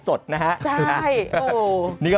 โอ้โหโอ้โห